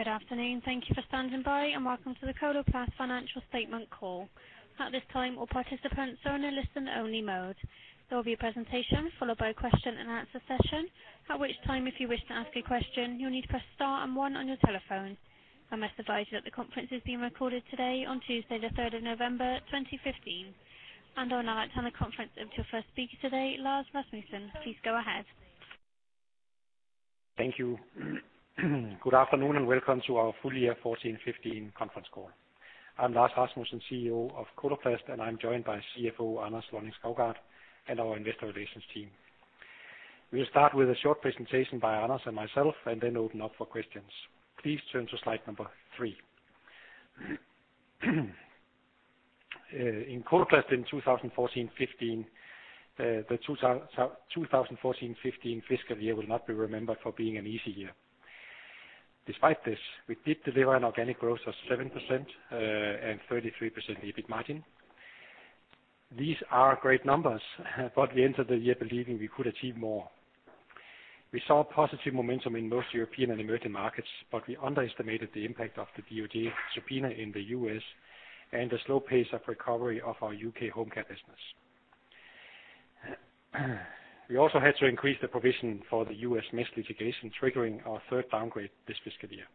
Good afternoon. Thank you for standing by, and welcome to the Coloplast Financial Statement Call. At this time, all participants are in a listen-only mode. There will be a presentation followed by a question and answer session, at which time, if you wish to ask a question, you'll need to press star and one on your telephone. I must advise you that the conference is being recorded today on Tuesday, the 3rd of November, 2015. I'll now turn the conference over to our first speaker today, Lars Rasmussen. Please go ahead. Thank you. Good afternoon, and welcome to our full year 2014-2015 conference call. I'm Lars Rasmussen, CEO of Coloplast, and I'm joined by CFO Anders Lonning-Skovgaard and our investor relations team. We'll start with a short presentation by Anders and myself, and then open up for questions. Please turn to Slide 3. In Coloplast in 2014-2015, the 2014-2015 fiscal year will not be remembered for being an easy year. Despite this, we did deliver an organic growth of 7% and 33% EBIT margin. These are great numbers, but we ended the year believing we could achieve more. We saw positive momentum in most European and emerging markets, but we underestimated the impact of the DOJ subpoena in the U.S. and the slow pace of recovery of our U.K. home care business. We also had to increase the provision for the U.S. mesh litigation, triggering our third downgrade this fiscal year.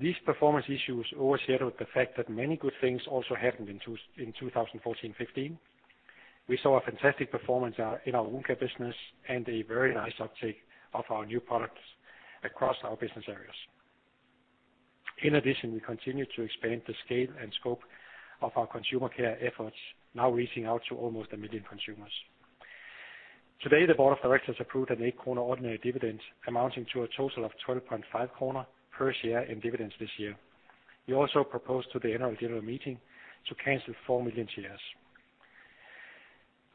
These performance issues overshadowed the fact that many good things also happened in 2014-2015. We saw a fantastic performance in our wound care business and a very nice uptake of our new products across our business areas. In addition, we continued to expand the scale and scope of our consumer care efforts, now reaching out to almost one million consumers. Today, the Board of Directors approved an DKK 8 ordinary dividend, amounting to a total of 12.5 per share in dividends this year. We also proposed to the annual general meeting to cancel four million shares.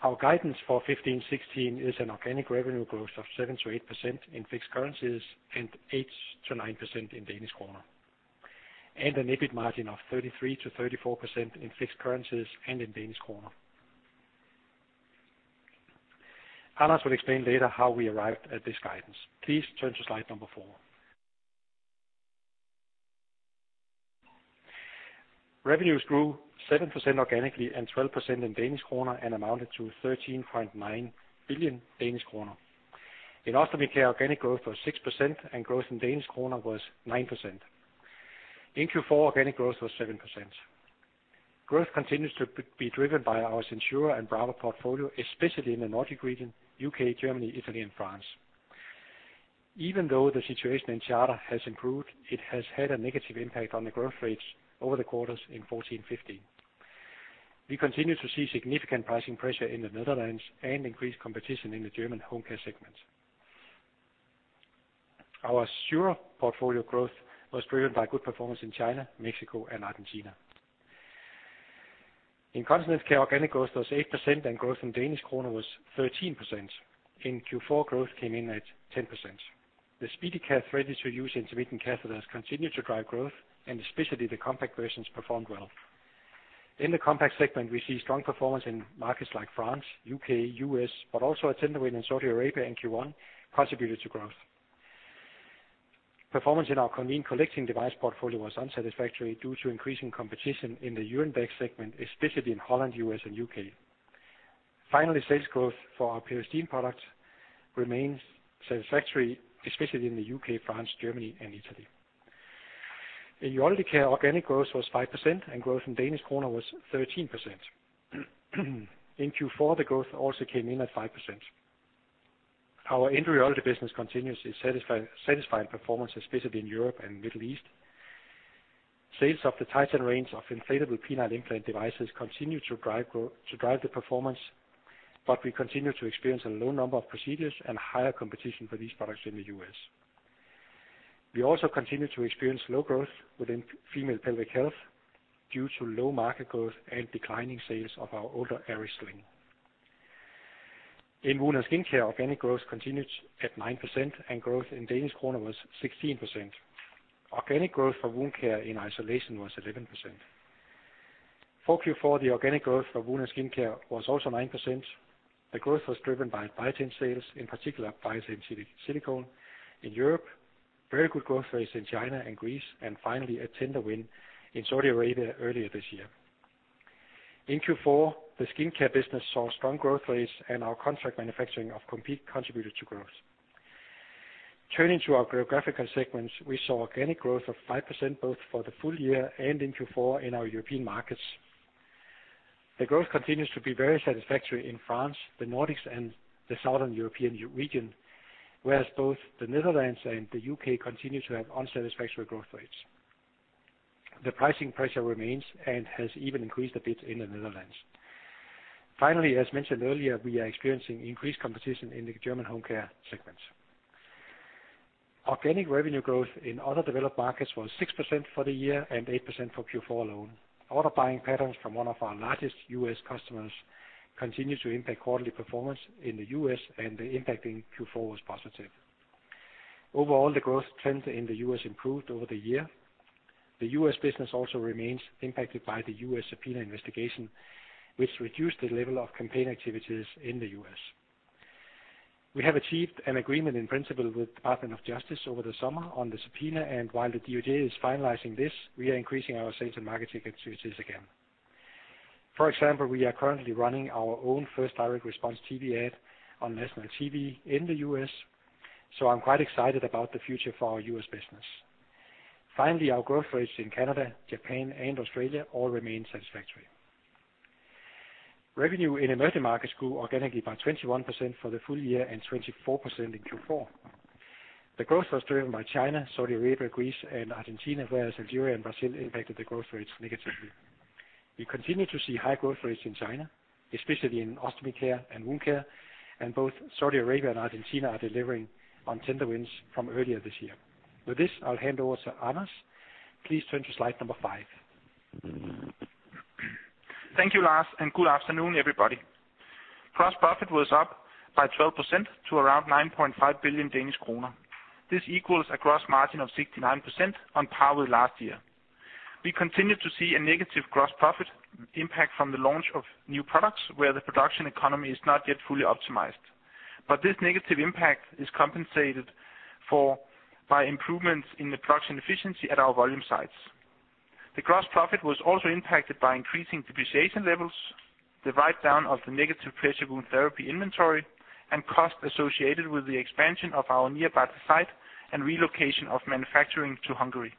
Our guidance for 2015-2016 is an organic revenue growth of 7%-8% in fixed currencies and 8%-9% in Danish kroner, and an EBIT margin of 33%-34% in fixed currencies and in Danish kroner. Anders will explain later how we arrived at this guidance. Please turn to Slide 4. Revenues grew 7% organically and 12% in Danish kroner and amounted to 13.9 billion Danish kroner. In ostomy care, organic growth was 6%, and growth in Danish kroner was 9%. In Q4, organic growth was 7%. Growth continues to be driven by our SenSura and Brava portfolio, especially in the Nordic region, U.K., Germany, Italy, and France. Even though the situation in Charter has improved, it has had a negative impact on the growth rates over the quarters in 2014-2015. We continue to see significant pricing pressure in the Netherlands and increased competition in the German home care segment. Our SenSura portfolio growth was driven by good performance in China, Mexico, and Argentina. In continence care, organic growth was 8%, and growth in Danish kroner was 13%. In Q4, growth came in at 10%. The SpeediCath ready-to-use intermittent catheters continue to drive growth, and especially the compact versions performed well. In the compact segment, we see strong performance in markets like France, U.K., U.S., but also a tender win in Saudi Arabia in Q1 contributed to growth. Performance in our Conveen collecting device portfolio was unsatisfactory due to increasing competition in the urine bag segment, especially in Holland, U.S., and U.K. Finally, sales growth for our Peristeen product remains satisfactory, especially in the U.K., France, Germany, and Italy. In urology care, organic growth was 5%, and growth in Danish kroner was 13%. In Q4, the growth also came in at 5%. Our injury urology business continues its satisfying performance, especially in Europe and Middle East. Sales of the Titan range of inflatable penile implant devices continue to drive the performance, but we continue to experience a low number of procedures and higher competition for these products in the U.S. We also continue to experience low growth within female pelvic health due to low market growth and declining sales of our older Aris sling. In wound and skincare, organic growth continued at 9%, and growth in Danish kroner was 16%. Organic growth for wound care in isolation was 11%. For Q4, the organic growth for wound and skincare was also 9%. The growth was driven by Biatain sales, in particular Biatain Silicone in Europe, very good growth rates in China and Greece, and finally, a tender win in Saudi Arabia earlier this year. In Q4, the skincare business saw strong growth rates, our contract manufacturing of Compeed contributed to growth. Turning to our geographical segments, we saw organic growth of 5%, both for the full year and in Q4 in our European markets. The growth continues to be very satisfactory in France, the Nordics, and the Southern European region, whereas both the Netherlands and the U.K. continue to have unsatisfactory growth rates. The pricing pressure remains and has even increased a bit in the Netherlands. As mentioned earlier, we are experiencing increased competition in the German home care segment. Organic revenue growth in other developed markets was 6% for the year and 8% for Q4 alone. Order buying patterns from one of our largest U.S. customers continue to impact quarterly performance in the U.S., and the impact in Q4 was positive. Overall, the growth trend in the U.S. improved over the year. The U.S. business also remains impacted by the U.S. subpoena investigation, which reduced the level of campaign activities in the U.S. We have achieved an agreement in principle with Department of Justice over the summer on the subpoena, and while the DOJ is finalizing this, we are increasing our sales and marketing activities again. For example, we are currently running our own first direct response TV ad on national TV in the U.S., so I'm quite excited about the future for our U.S. business. Finally, our growth rates in Canada, Japan, and Australia all remain satisfactory. Revenue in emerging markets grew organically by 21% for the full year and 24% in Q4. The growth was driven by China, Saudi Arabia, Greece, and Argentina, whereas Algeria and Brazil impacted the growth rates negatively. We continue to see high growth rates in China, especially in ostomy care and wound care, and both Saudi Arabia and Argentina are delivering on tender wins from earlier this year. With this, I'll hand over to Anders. Please turn to Slide 5. Thank you, Lars. Good afternoon, everybody. Gross profit was up by 12% to around 9.5 billion Danish kroner. This equals a gross margin of 69% on par with last year. We continue to see a negative gross profit impact from the launch of new products, where the production economy is not yet fully optimized. This negative impact is compensated for by improvements in the production efficiency at our volume sites. The gross profit was also impacted by increasing depreciation levels, the write down of the negative pressure wound therapy inventory, and costs associated with the expansion of our Nyírbátor site and relocation of manufacturing to Hungary.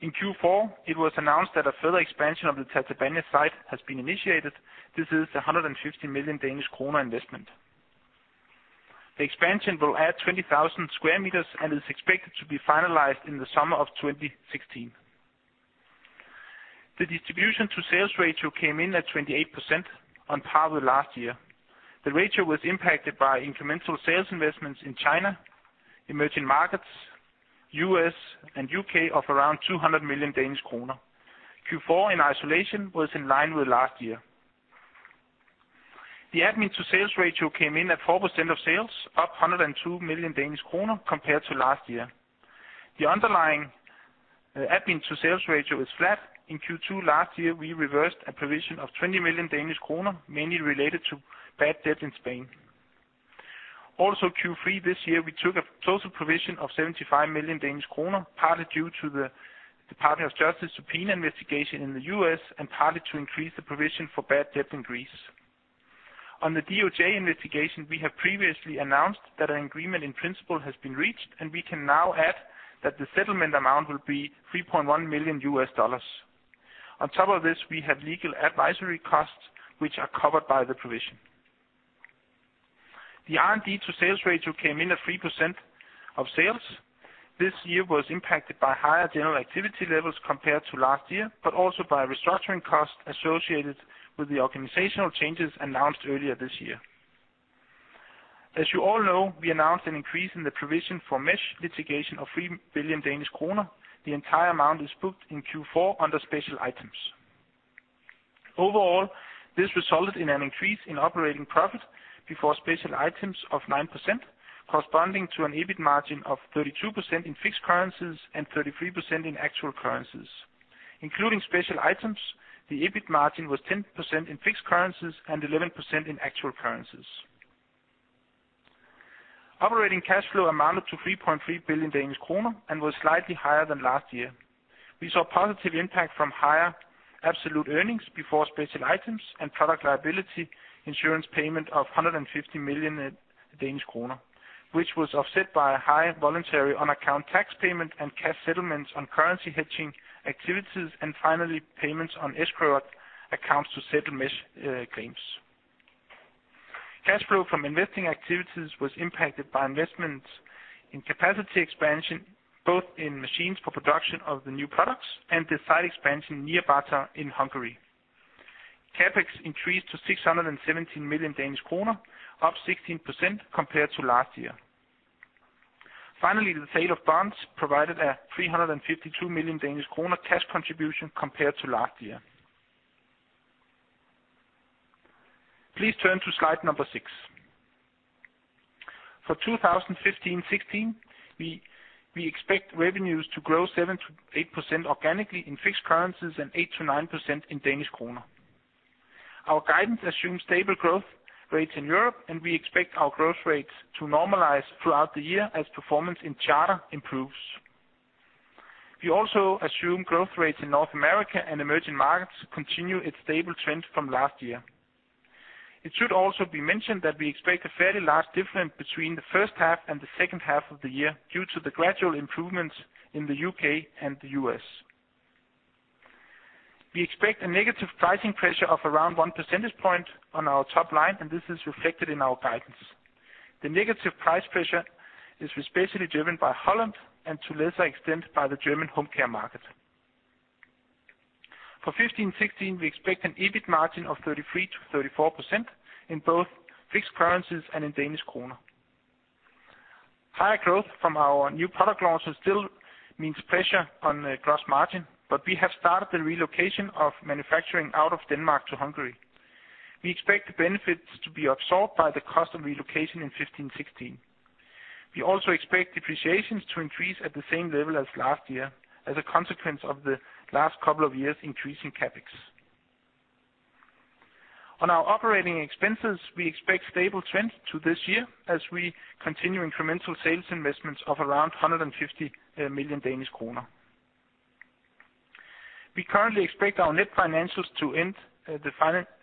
In Q4, it was announced that a further expansion of the Tatabánya site has been initiated. This is a 150 million Danish kroner investment. The expansion will add 20,000 sq m and is expected to be finalized in the summer of 2016. The distribution to sales ratio came in at 28%, on par with last year. The ratio was impacted by incremental sales investments in China, emerging markets, U.S., and U.K. of around 200 million Danish kroner. Q4 in isolation was in line with last year. The admin to sales ratio came in at 4% of sales, up 102 million Danish kroner compared to last year. The underlying admin to sales ratio is flat. In Q2 last year, we reversed a provision of 20 million Danish kroner, mainly related to bad debt in Spain. Q3 this year, we took a total provision of 75 million Danish kroner, partly due to the Department of Justice subpoena investigation in the U.S., and partly to increase the provision for bad debt in Greece. On the DOJ investigation, we have previously announced that an agreement in principle has been reached, we can now add that the settlement amount will be $3.1 million. On top of this, we have legal advisory costs, which are covered by the provision. The R&D to sales ratio came in at 3% of sales. This year was impacted by higher general activity levels compared to last year, also by restructuring costs associated with the organizational changes announced earlier this year. As you all know, we announced an increase in the provision for mesh litigation of 3 billion Danish kroner. The entire amount is booked in Q4 under special items. Overall, this resulted in an increase in operating profit before special items of 9%, corresponding to an EBIT margin of 32% in fixed currencies and 33% in actual currencies. Including special items, the EBIT margin was 10% in fixed currencies and 11% in actual currencies. Operating cash flow amounted to 3.3 billion Danish kroner and was slightly higher than last year. We saw positive impact from higher absolute earnings before special items and product liability insurance payment of 150 million Danish kroner, which was offset by a high voluntary on-account tax payment and cash settlements on currency hedging activities, and finally, payments on escrow accounts to settle mesh claims. Cash flow from investing activities was impacted by investments in capacity expansion, both in machines for production of the new products and the site expansion Nyírbátor in Hungary. CapEx increased to 617 million Danish kroner, up 16% compared to last year. The sale of bonds provided a 352 million Danish kroner cash contribution compared to last year. Please turn to Slide 6. For 2015, 2016, we expect revenues to grow 7%-8% organically in fixed currencies and 8%-9% in Danish kroner. Our guidance assumes stable growth rates in Europe, we expect our growth rates to normalize throughout the year as performance in Charter improves. We also assume growth rates in North America and emerging markets continue its stable trend from last year. It should also be mentioned that we expect a fairly large difference between the first half and the second half of the year, due to the gradual improvements in the U.K. and the U.S. We expect a negative pricing pressure of around 1 percentage point on our top line, and this is reflected in our guidance. The negative price pressure is especially driven by Holland and to lesser extent, by the German home care market. For 2015, 2016, we expect an EBIT margin of 33%-34% in both fixed currencies and in Danish kroner. Higher growth from our new product launches still means pressure on the gross margin, but we have started the relocation of manufacturing out of Denmark to Hungary. We expect the benefits to be absorbed by the cost of relocation in 2015, 2016. We also expect depreciations to increase at the same level as last year as a consequence of the last couple of years increasing CapEx. On our operating expenses, we expect stable trends to this year as we continue incremental sales investments of around 150 million Danish kroner. We currently expect our net financials to end the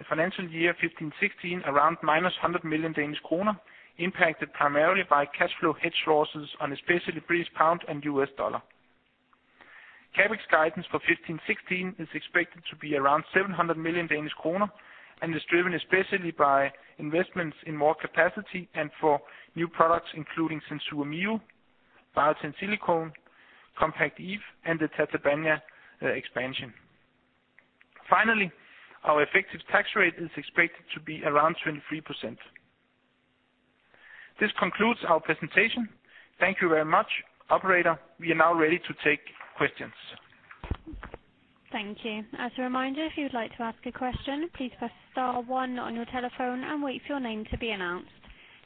financial year 2015-2016 around -100 million Danish kroner, impacted primarily by cash flow hedge losses on especially British pound and U.S. dollar. CapEx guidance for 2015-2016 is expected to be around 700 million Danish kroner, and is driven especially by investments in more capacity and for new products, including SenSura Mio, Biatain Silicone, SpeediCath Compact Eve, and the Tatabanya expansion. Finally, our effective tax rate is expected to be around 23%. This concludes our presentation. Thank you very much. Operator, we are now ready to take questions. Thank you. As a reminder, if you would like to ask a question, please press star one on your telephone and wait for your name to be announced.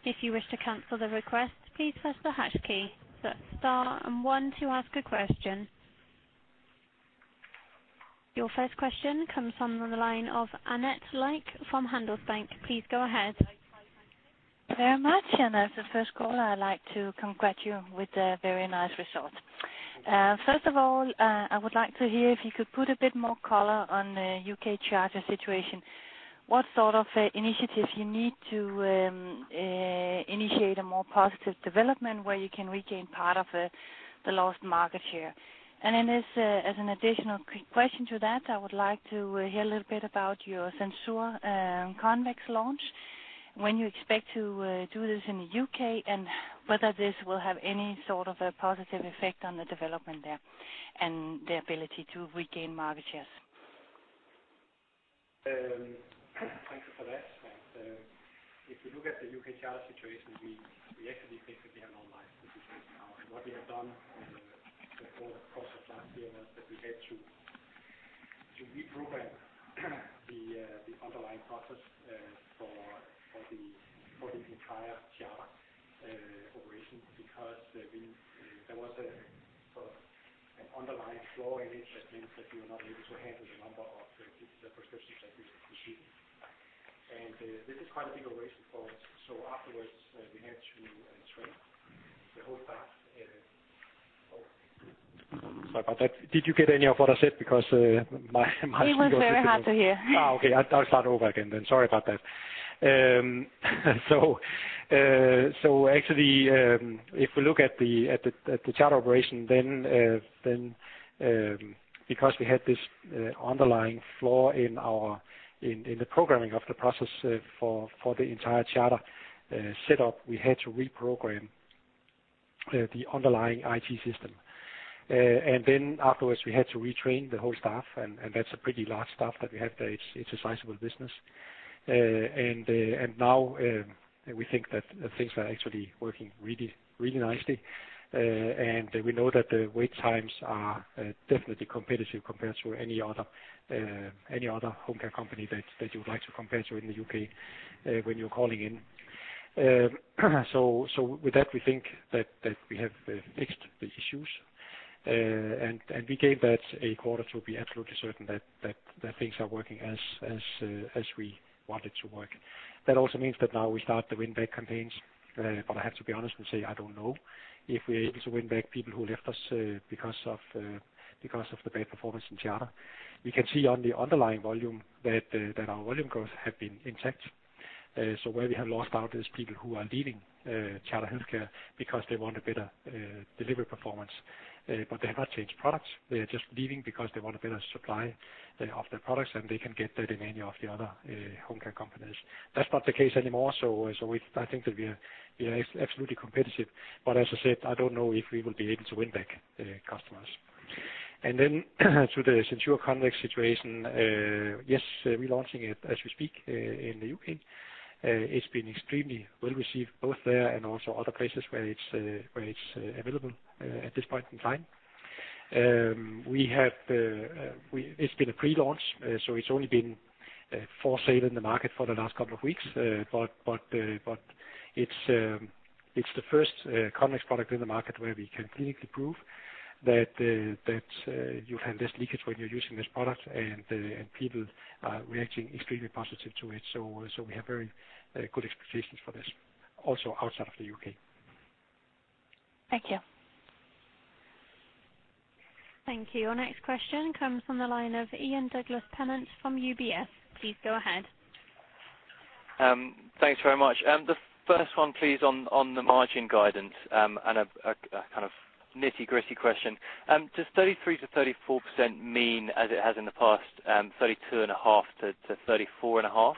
If you wish to cancel the request, please press the hash key. Press star and one to ask a question. Your first question comes from the line of Annette Lykke from Handelsbanken. Please go ahead. Very much, as the first caller, I'd like to congratulate you with a very nice result. First of all, I would like to hear if you could put a bit more color on the U.K. Charter situation. What sort of initiatives you need to initiate a more positive development where you can regain part of the lost market share? Then as an additional quick question to that, I would like to hear a little bit about your SenSura Convex launch, when you expect to do this in the U.K., and whether this will have any sort of a positive effect on the development there and the ability to regain market shares. Thank you for that. If you look at the Coloplast Charter situation, we actually think that we have normalized the situation now. What we have done in the course of last year, was that we had to reprogram the underlying process for the entire Coloplast Charter operation, because there was an underlying flaw in it that means that we were not able to handle the number of prescriptions that we should. This is quite a big operation for us, so afterwards, we had to train the whole pack. Sorry about that. Did you get any of what I said? Because my. It was very hard to hear. Okay, I'll start over again. Sorry about that. Actually, if we look at the Coloplast Charter operation, because we had this underlying flaw in our programming of the process for the entire Coloplast Charter setup, we had to reprogram the underlying IT system. Afterwards, we had to retrain the whole staff, and that's a pretty large staff that we have there. It's a sizable business. Now, we think that things are actually working really, really nicely. We know that the wait times are definitely competitive compared to any other homecare company that you would like to compare to in the U.K. when you're calling in. With that, we think that we have fixed the issues. And we gave that a quarter to be absolutely certain that things are working as we want it to work. That also means that now we start the winback campaigns, but I have to be honest and say, I don't know if we're able to win back people who left us because of the bad performance in Charter. We can see on the underlying volume that our volume growth have been intact. Where we have lost out is people who are leaving Charter Healthcare because they want a better delivery performance. They have not changed products. They are just leaving because they want a better supply of the products, they can get that in any of the other homecare companies. That's not the case anymore. I think that we are absolutely competitive. As I said, I don't know if we will be able to win back customers. To the SenSura Convex situation, yes, we're launching it as we speak in the U.K. It's been extremely well received both there and also other places where it's available at this point in time. We have, it's been a pre-launch, so it's only been for sale in the market for the last two weeks. It's the first convex product in the market where we can clinically prove that you have less leakage when you're using this product, and people are reacting extremely positive to it. We have very good expectations for this, also outside of the U.K. Thank you. Thank you. Our next question comes from the line of Ian Douglas-Pennant from UBS. Please go ahead. Thanks very much. The first one, please, on the margin guidance, and a kind of nitty-gritty question. Does 33%-34% mean, as it has in the past, 32.5%-34.5%?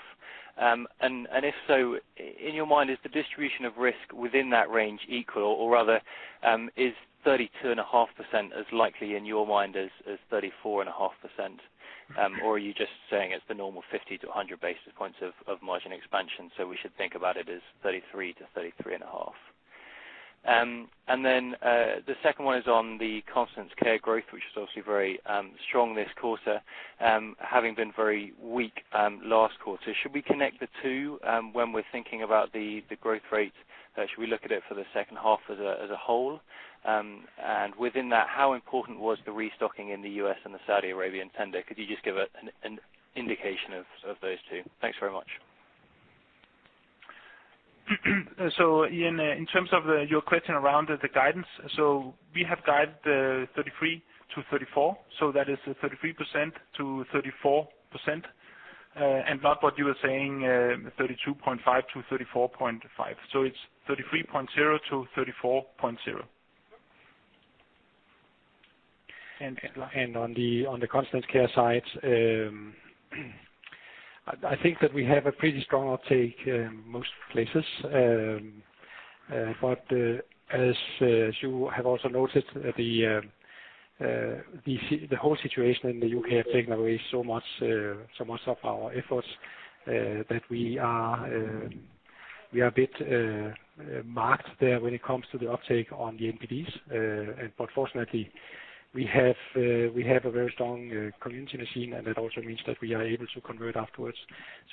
If so, in your mind, is the distribution of risk within that range equal? Rather, is 32.5% as likely in your mind as 34.5%? Are you just saying it's the normal 50 to 100 basis points of margin expansion, so we should think about it as 33%-33.5%? The second one is on the continence care growth, which is obviously very strong this quarter, having been very weak last quarter. Should we connect the two, when we're thinking about the growth rate? Should we look at it for the second half as a whole? Within that, how important was the restocking in the U.S. and the Saudi Arabian tender? Could you just give an indication of those two? Thanks very much. Ian, in terms of the, your question around the guidance, we have guided the 33%-34%, that is 33%-34%, and not what you were saying, 32.5%-34.5%. It's 33.0%-34.0%. On the continence care side, I think that we have a pretty strong uptake in most places. As you have also noticed, the whole situation in the U.K. have taken away so much, so much of our efforts, that we are, we are a bit marked there when it comes to the uptake on the NPDs. Fortunately, we have a very strong community machine, and that also means that we are able to convert afterwards.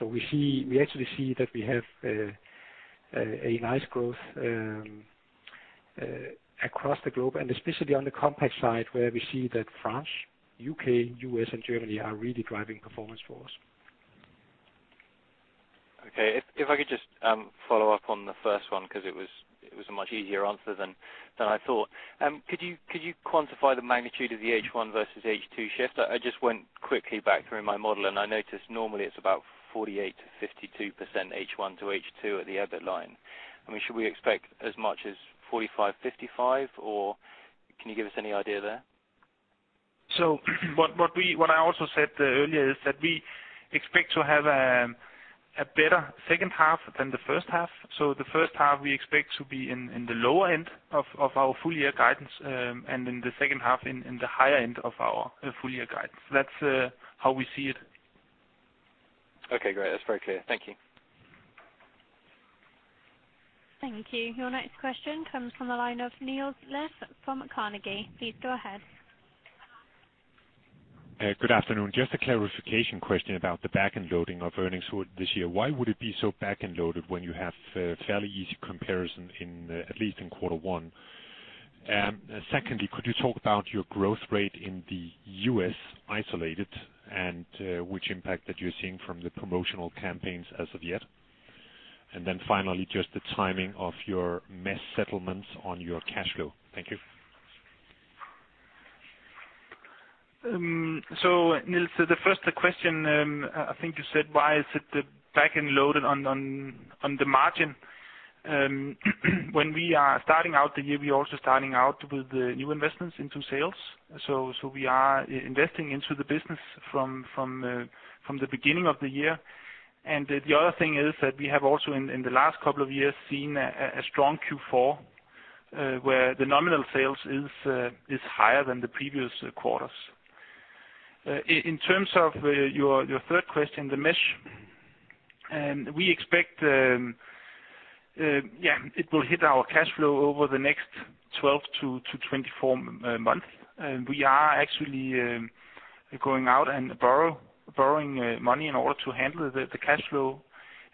We actually see that we have a nice growth across the globe, and especially on the compact side, where we see that France, U.K., U.S., and Germany are really driving performance for us. Okay. If I could just follow up on the first one, because it was a much easier answer than I thought. Could you quantify the magnitude of the H1 versus H2 shift? I just went quickly back through my model, and I noticed normally it's about 48%-52% H1 to H2 at the EBIT line. I mean, should we expect as much as 45%, 55%, or can you give us any idea there? What I also said earlier is that we expect to have a better second half than the first half. The first half, we expect to be in the lower end of our full year guidance, and in the second half, in the higher end of our full year guidance. That's how we see it. Okay, great. That's very clear. Thank you. Thank you. Your next question comes from the line of Niels Leth from Carnegie. Please go ahead. Good afternoon. Just a clarification question about the back-end loading of earnings for this year. Why would it be so back-end loaded when you have fairly easy comparison in at least in quarter one? Secondly, could you talk about your growth rate in the U.S. isolated, and which impact that you're seeing from the promotional campaigns as of yet? Finally, just the timing of your mesh settlements on your cash flow. Thank you. Niels, the first question, I think you said, why is it the back-end loaded on the margin. When we are starting out the year, we are also starting out with the new investments into sales. We are investing into the business from the beginning of the year. The other thing is that we have also, in the last couple of years, seen a strong Q4, where the nominal sales is higher than the previous quarters. In terms of your third question, the mesh, we expect it will hit our cash flow over the next 12-24 months. We are actually going out and borrowing money in order to handle the cash flow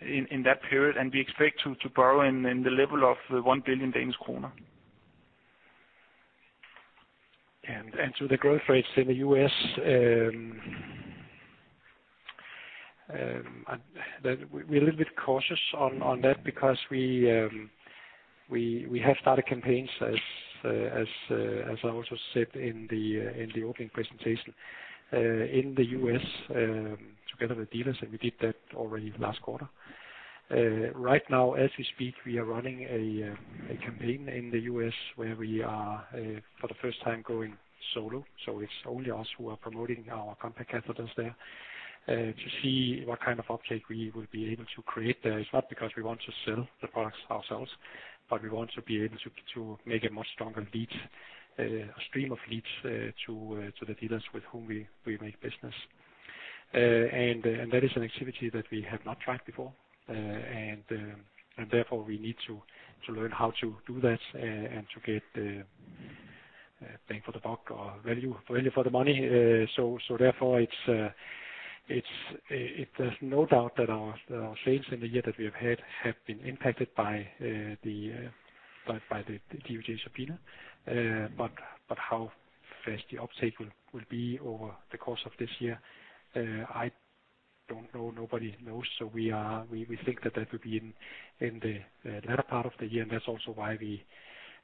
in that period, and we expect to borrow in the level of 1 billion Danish kroner. To the growth rates in the U.S. that we're a little bit cautious on that because we have started campaigns as I also said in the opening presentation in the U.S. together with dealers, and we did that already last quarter. Right now, as we speak, we are running a campaign in the U.S. where we are for the first time going solo. It's only us who are promoting our compact catheters there to see what kind of uptake we will be able to create there. It's not because we want to sell the products ourselves, but we want to be able to make a much stronger lead stream of leads to the dealers with whom we make business. That is an activity that we have not tried before, and therefore, we need to learn how to do that and to get bang for the buck or value for the money. Therefore, there's no doubt that our sales in the year that we have had have been impacted by the DOJ subpoena. How fast the uptake will be over the course of this year, I don't know. Nobody knows. We think that will be in the latter part of the year, and that's also why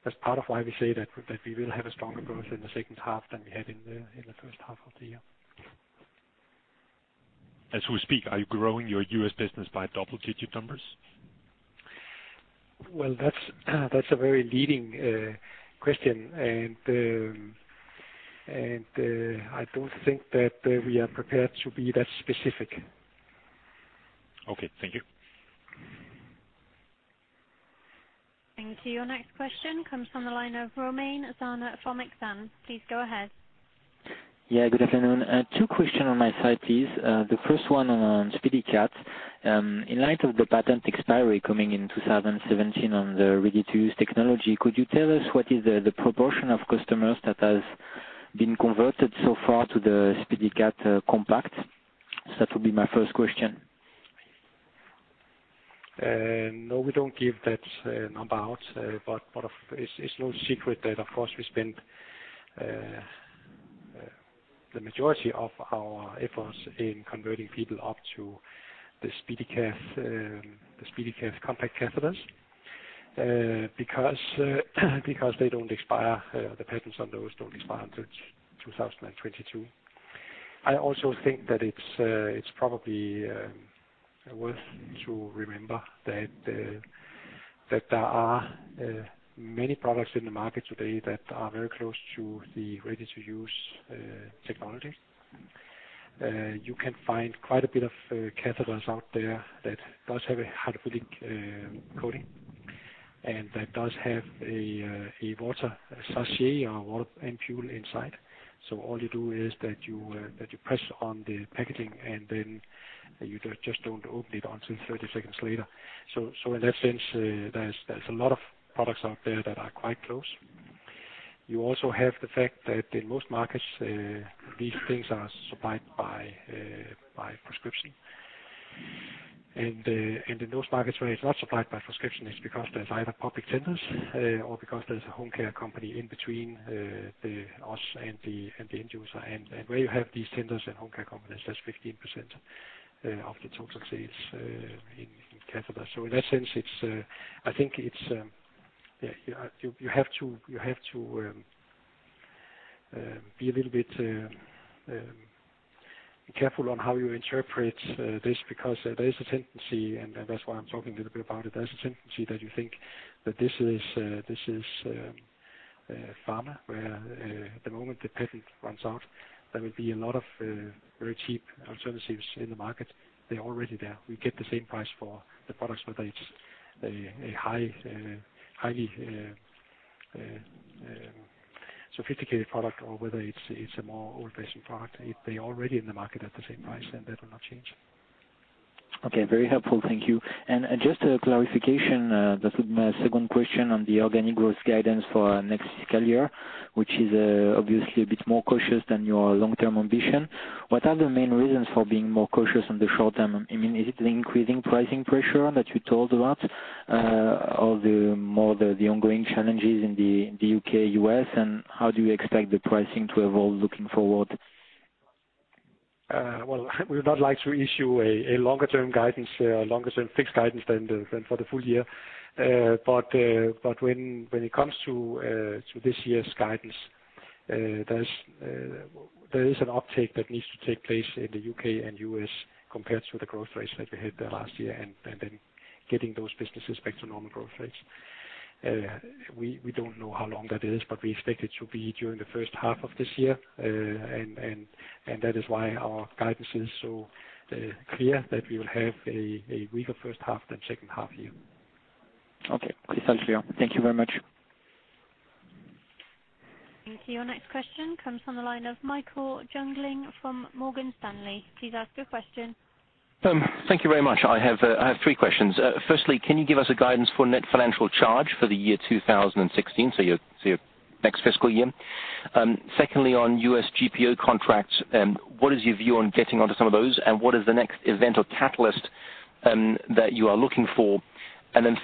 that's part of why we say that we will have a stronger growth in the second half than we had in the first half of the year. As we speak, are you growing your U.S. business by double-digit numbers? Well, that's a very leading question, and I don't think that we are prepared to be that specific. Okay, thank you. Thank you. Your next question comes from the line of Romain Zana from Exane. Please go ahead. Yeah, good afternoon. Two question on my side, please. The first one on SpeediCath. In light of the patent expiry coming in 2017 on the ready-to-use technology, could you tell us what is the proportion of customers that has been converted so far to the SpeediCath Compact? That would be my first question. No, we don't give that number out. It's no secret that, of course, we spent the majority of our efforts in converting people up to the SpeediCath, the SpeediCath Compact catheters. Because they don't expire, the patents on those don't expire until 2022. I also think that it's probably worth to remember that there are many products in the market today that are very close to the ready-to-use technology. You can find quite a bit of catheters out there that does have a hydrophilic coating, and that does have a water sachet or water ampoule inside. All you do is that you press on the packaging, and then you just don't open it until 30 seconds later. In that sense, there's a lot of products out there that are quite close. You also have the fact that in most markets, these things are supplied by prescription. In those markets where it's not supplied by prescription, it's because there's either public tenders or because there's a home care company in between us and the end user. Where you have these tenders and home care companies, that's 15% of the total sales in catheters. In that sense, it's, I think it's, yeah, you have to be a little bit careful on how you interpret this because there is a tendency, and that's why I'm talking a little bit about it. There's a tendency that you think that this is, this is pharma, where the moment the patent runs out, there will be a lot of very cheap alternatives in the market. They're already there. We get the same price for the products, whether it's a high, highly sophisticated product or whether it's a more old-fashioned product. They're already in the market at the same price. That will not change. Okay, very helpful. Thank you. Just a clarification, that would be my second question on the organic growth guidance for next fiscal year, which is obviously a bit more cautious than your long-term ambition. What are the main reasons for being more cautious on the short term? I mean, is it the increasing pricing pressure that you told about, or the ongoing challenges in the U.K., U.S.? How do you expect the pricing to evolve looking forward? Well, we would not like to issue a longer term guidance, a longer term fixed guidance than for the full year. When it comes to this year's guidance, there is an uptake that needs to take place in the U.K. and U.S. compared to the growth rates that we had the last year, and then getting those businesses back to normal growth rates. We don't know how long that is, but we expect it to be during the first half of this year. That is why our guidance is so clear that we will have a weaker first half than second half year. Okay. It's all clear. Thank you very much. Thank you. Your next question comes from the line of Michael Jüngling from Morgan Stanley. Please ask your question. Thank you very much. I have three questions. Firstly, can you give us a guidance for net financial charge for the year 2016, so your next fiscal year? Secondly, on U.S. GPO contracts, what is your view on getting onto some of those, and what is the next event or catalyst that you are looking for?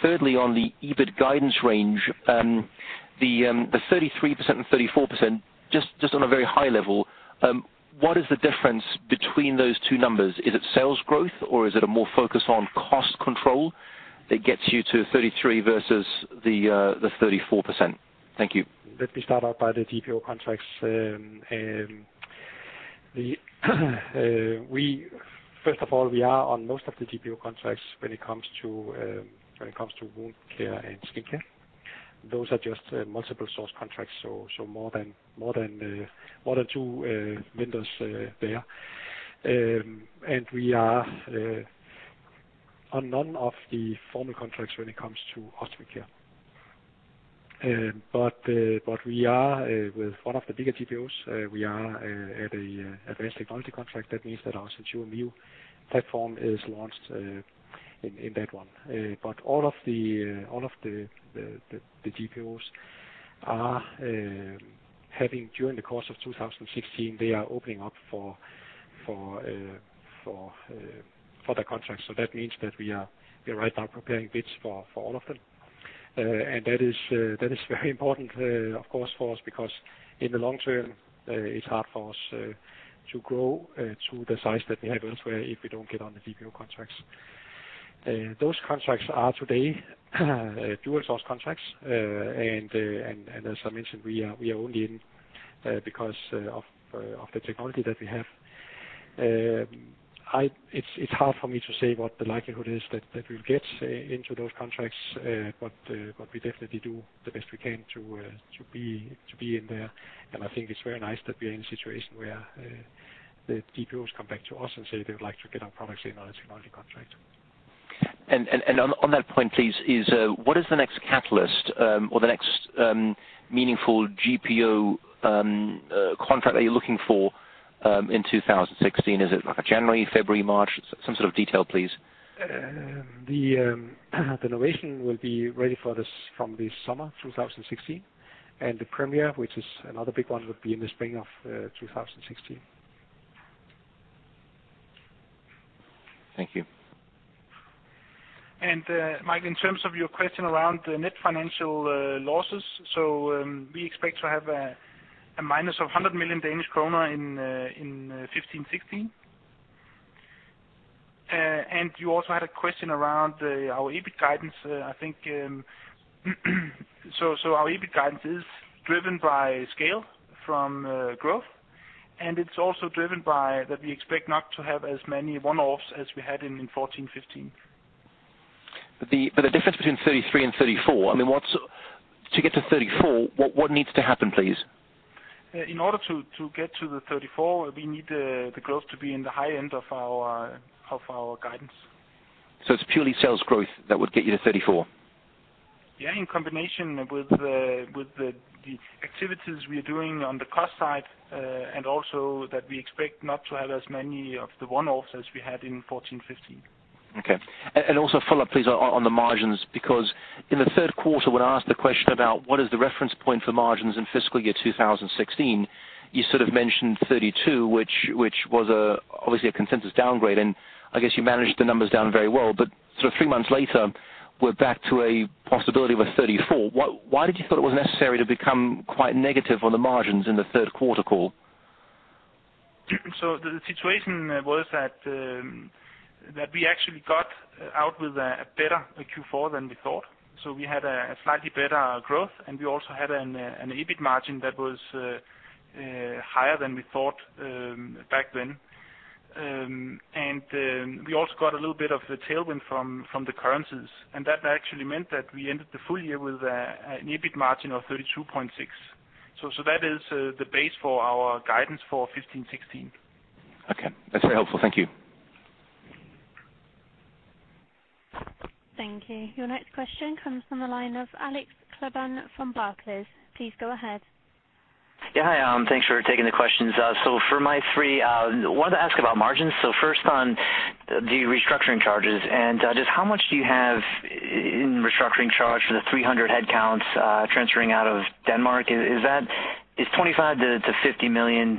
Thirdly, on the EBIT guidance range, the 33% and 34%, just on a very high level, what is the difference between those two numbers? Is it sales growth, or is it a more focus on cost control that gets you to 33% versus the 34%? Thank you. Let me start off by the GPO contracts. First of all, we are on most of the GPO contracts when it comes to wound care and skin care. Those are just multiple source contracts, so more than two vendors there. We are on none of the formal contracts when it comes to ostomy care. We are with one of the bigger GPOs, we are at an advanced technology contract. That means that our SenSura Mio platform is launched in that one. All of the GPOs are having during the course of 2016, they are opening up for the contract. That means that we are right now preparing bids for all of them. That is very important, of course, for us, because in the long term, it's hard for us to grow to the size that we have elsewhere if we don't get on the GPO contracts. Those contracts are today, dual source contracts. As I mentioned, we are only in because of the technology that we have. It's hard for me to say what the likelihood is that we'll get into those contracts, but we definitely do the best we can to be in there. I think it's very nice that we are in a situation where the GPOs come back to us and say they would like to get our products in on a technology contract. On that point, please, is what is the next catalyst or the next meaningful GPO contract are you looking for in 2016? Is it like a January, February, March? Some sort of detail, please. The innovation will be ready for this from the summer 2016. The Premier, which is another big one, will be in the spring of 2016. Thank you. Mike, in terms of your question around the net financial losses, we expect to have a minus of 100 million Danish kroner in 2015-2016. You also had a question around our EBIT guidance. Our EBIT guidance is driven by scale from growth, and it's also driven by that we expect not to have as many one-offs as we had in 2014-2015. The difference between 33% and 34%, I mean, what's, to get to 34%, what needs to happen, please? In order to get to the 34%, we need the growth to be in the high end of our, of our guidance. It's purely sales growth that would get you to 34%? Yeah, in combination with the activities we are doing on the cost side, and also that we expect not to have as many of the one-offs as we had in 2014-2015. Okay. Also follow up, please, on the margins, because in the third quarter, when I asked the question about what is the reference point for margins in fiscal year 2016, you sort of mentioned 32%, which was a, obviously a consensus downgrade, and I guess you managed the numbers down very well. Sort of three months later, we're back to a possibility of a 34%. Why did you feel it was necessary to become quite negative on the margins in the third quarter call? The situation was that we actually got out with a better Q4 than we thought. We had a slightly better growth, and we also had an EBIT margin that was higher than we thought back then. We also got a little bit of the tailwind from the currencies, and that actually meant that we ended the full year with an EBIT margin of 32.6%. That is the base for our guidance for 2015-2016. Okay. That's very helpful. Thank you. Thank you. Your next question comes from the line of Alex Kleban from Barclays. Please go ahead. Yeah, hi. Thanks for taking the questions. For my three, wanted to ask about margins. First on the restructuring charges, just how much do you have in restructuring charge for the 300 headcounts transferring out of Denmark? Is that 25 million-50 million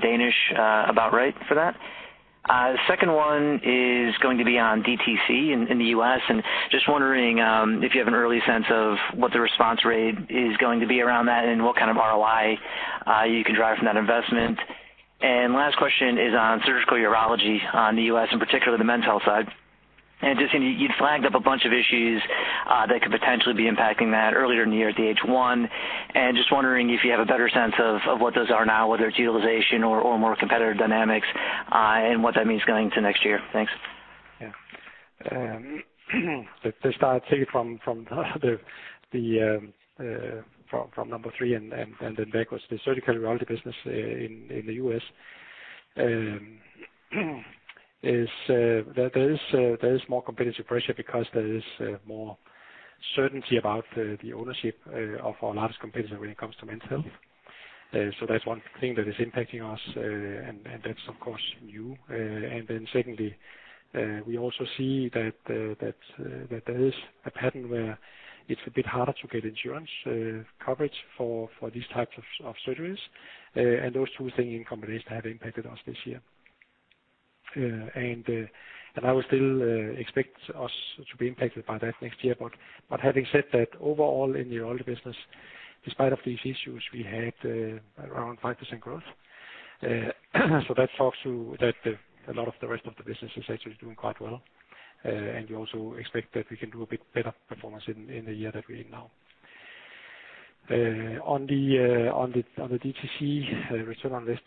about right for that? The second one is going to be on DTC in the U.S., just wondering if you have an early sense of what the response rate is going to be around that and what kind of ROI you can drive from that investment? Last question is on surgical urology on the U.S., in particular the men's health side. You'd flagged up a bunch of issues that could potentially be impacting that earlier in the year at the H1. And just wondering if you have a better sense of what those are now, whether it's utilization or more competitive dynamics, and what that means going into next year. Thanks. Yeah. Let's start taking from the number three and then backwards. The surgical urology business in the U.S. There is more competitive pressure because there is more certainty about the ownership of our largest competitor when it comes to men's health. That's one thing that is impacting us and that's of course new. Secondly, we also see that there is a pattern where it's a bit harder to get insurance coverage for these types of surgeries. Those two things in combination have impacted us this year. I would still expect us to be impacted by that next year. Having said that, overall in the urology business, despite of these issues, we had around 5% growth. That talks to that a lot of the rest of the business is actually doing quite well. And we also expect that we can do a bit better performance in the year that we're in now. On the, on the, on the DTC, return on this,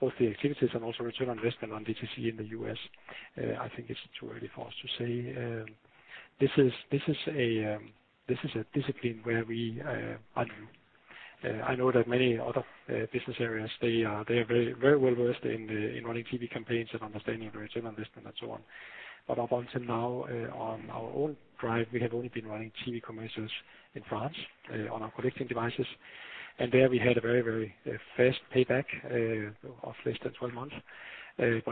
both the activities and also return on investment on DTC in the U.S., I think it's too early for us to say. This is, this is a, this is a discipline where we are new. I know that many other, business areas, they are very, very well versed in running TV campaigns and understanding the return on investment and so on. Up until now, on our own drive, we have only been running TV commercials in France, on our connecting devices. There we had a very fast payback, of less than 12 months.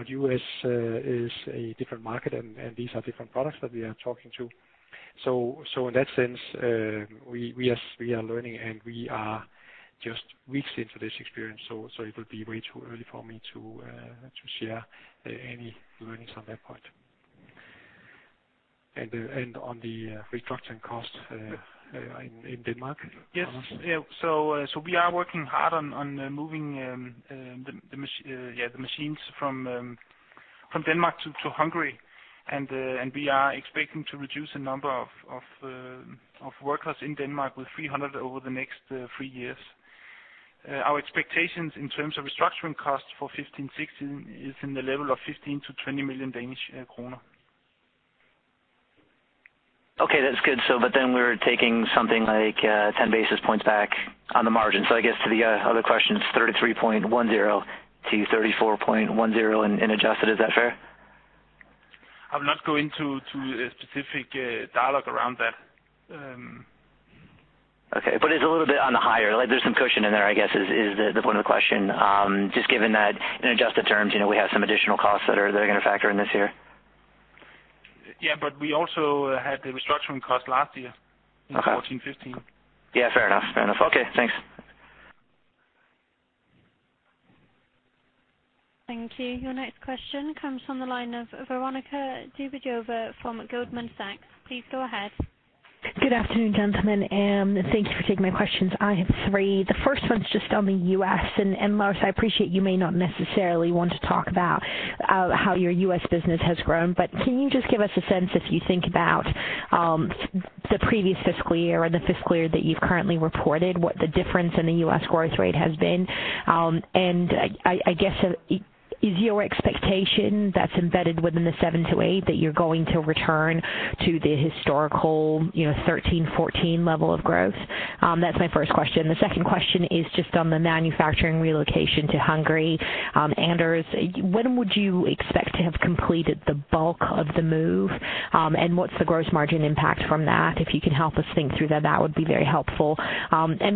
U.S. is a different market, and these are different products that we are talking to. In that sense, we are learning, and we are just weeks into this experience, it would be way too early for me to share, any learnings on that part. On the restructuring costs, in Denmark? Yes. We are working hard on moving the machines from Denmark to Hungary. We are expecting to reduce the number of workers in Denmark with 300 over the next three years. Our expectations in terms of restructuring costs for 2015-2016 is in the level of 15 million-20 million Danish kroner. Okay, that's good. We're taking something like 10 basis points back on the margin. I guess to the other questions, 33.10%-34.10% in adjusted, is that fair? I'm not going to a specific dialogue around that. Okay, it's a little bit on the higher, like, there's some cushion in there, I guess, is the point of the question. Just given that in adjusted terms, you know, we have some additional costs that are gonna factor in this year. Yeah, we also had the restructuring costs last year. Okay. In 2014-2015. Yeah, fair enough. Fair enough. Okay, thanks. Thank you. Your next question comes from the line of Veronika Dubajova from Goldman Sachs. Please go ahead. Good afternoon, gentlemen. Thank you for taking my questions. I have three. The first one's just on the U.S. Lars, I appreciate you may not necessarily want to talk about how your U.S. business has grown, but can you just give us a sense, if you think about the previous fiscal year or the fiscal year that you've currently reported, what the difference in the U.S. growth rate has been? I guess, is your expectation that's embedded within the 7%-8%, that you're going to return to the historical, you know, 13%, 14% level of growth? That's my first question. The second question is just on the manufacturing relocation to Hungary. Anders, when would you expect to have completed the bulk of the move? What's the gross margin impact from that? If you can help us think through that would be very helpful.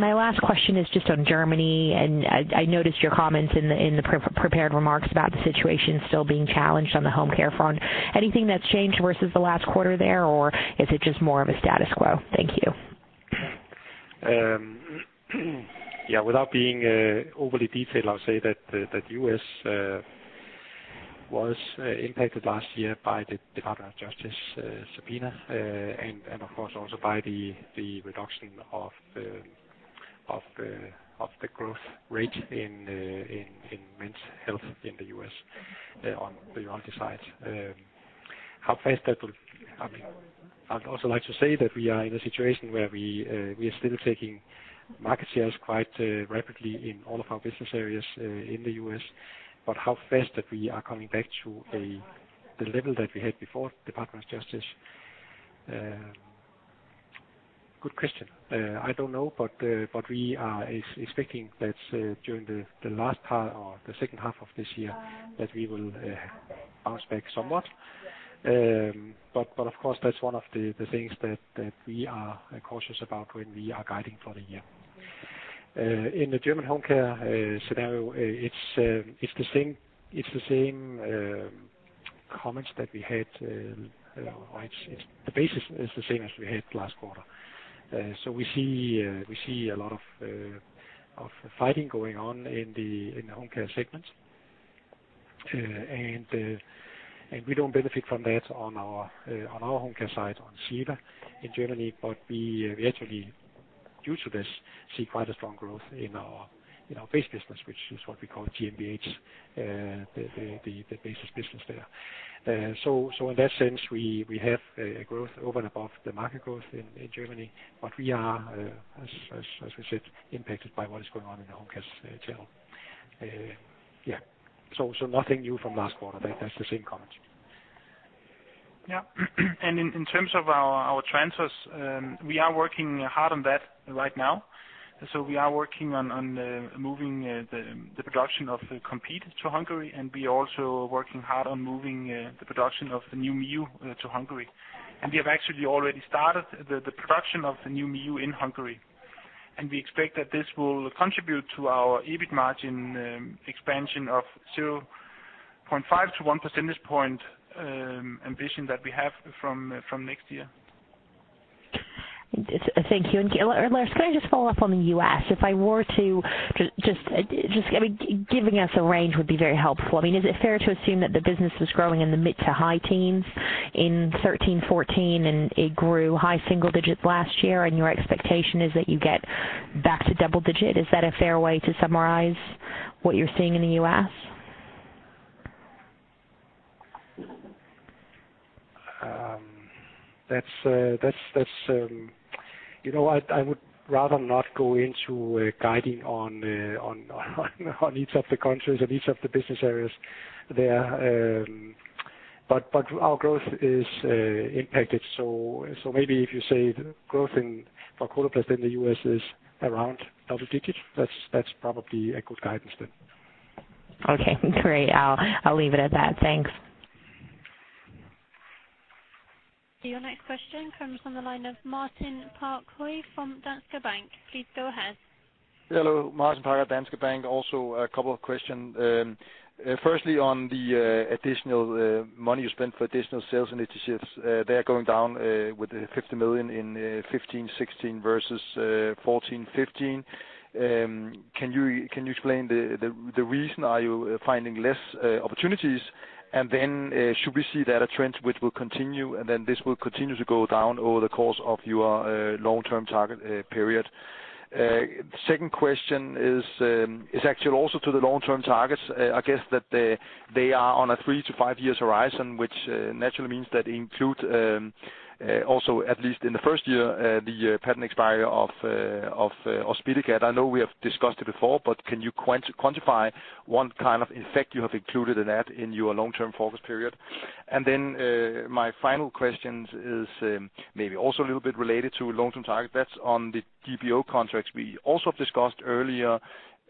My last question is just on Germany, and I noticed your comments in the prepared remarks about the situation still being challenged on the home care front. Anything that's changed versus the last quarter there, or is it just more of a status quo? Thank you. Yeah, without being overly detailed, I'll say that the U.S. was impacted last year by the Department of Justice subpoena, and of course also by the reduction of the growth rate in men's health in the U.S. on the Titan. I mean, I'd also like to say that we are in a situation where we are still taking market shares quite rapidly in all of our business areas in the U.S. But how fast that we are coming back to the level that we had before Department of Justice, good question. I don't know, but we are expecting that during the last half or the second half of this year, that we will bounce back somewhat. Of course, that's one of the things that we are cautious about when we are guiding for the year. In the German home care scenario, it's the same comments that we had, the basis is the same as we had last quarter. We see a lot of fighting going on in the home care segment, and we don't benefit from that on our home care side, on SIEWA in Germany. We actually, due to this, see quite a strong growth in our base business, which is what we call GmbH, the basis business there. In that sense, we have a growth over and above the market growth in Germany, but we are, as I said, impacted by what is going on in the home care channel. Nothing new from last quarter. That's the same comment. Yeah. In terms of our transfers, we are working hard on that right now. We are working on moving the production of the Compeed to Hungary. We are also working hard on moving the production of the new Mio to Hungary. We have actually already started the production of the new Mio in Hungary, and we expect that this will contribute to our EBIT margin expansion of 0.5-1 percentage point ambition that we have from next year. Thank you. Lars, can I just follow up on the U.S.? If I were to just, I mean, giving us a range would be very helpful. I mean, is it fair to assume that the business was growing in the mid to high teens in 2013, 2014, and it grew high single digits last year, and your expectation is that you get back to double digit? Is that a fair way to summarize what you're seeing in the U.S.? That's, you know what, I would rather not go into guiding on each of the countries and each of the business areas there. Our growth is impacted, so maybe if you say growth in, for Coloplast in the U.S. is around double digits, that's probably a good guidance then. Okay, great. I'll leave it at that. Thanks. Your next question comes on the line of Martin Parkhøi from Danske Bank. Please go ahead. Hello, Martin Parkhøi, Danske Bank. A couple of questions. Firstly, on the additional money you spent for additional sales initiatives, they are going down with 50 million in 2015-2016 versus 2014-2015. Can you explain the reason? Are you finding less opportunities? Should we see that a trend which will continue, and then this will continue to go down over the course of your long-term target period? Second question is actually also to the long-term targets. I guess that they are on a three to five years horizon, which naturally means that includes also, at least in the first year, the patent expiry of SpeediCath. I know we have discussed it before, but can you quantify what kind of effect you have included in that in your long-term focus period? My final question is, maybe also a little bit related to long-term target. That's on the GPO contracts we also discussed earlier.